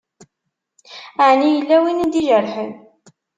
Ɛni yella win i d-ijerḥen?